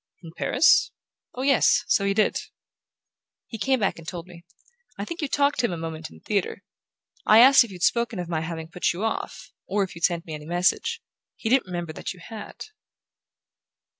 "In Paris? Oh, yes...So he did." "He came back and told me. I think you talked to him a moment in a theatre. I asked if you'd spoken of my having put you off or if you'd sent me any message. He didn't remember that you had."